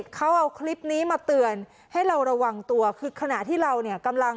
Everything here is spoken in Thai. เขาเอาคลิปนี้มาเตือนให้เราระวังตัวคือขณะที่เราเนี่ยกำลัง